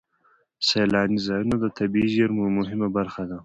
سیلاني ځایونه د طبیعي زیرمو یوه مهمه برخه ده.